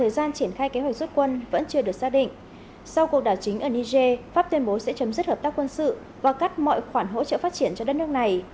sau cuộc đảo chính ở niger pháp tuyên bố sẽ chấm dứt hợp tác quân sự và cắt mọi khoản hỗ trợ phát triển cho đất nước này